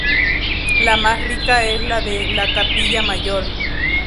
La más rica es la de la capilla mayor.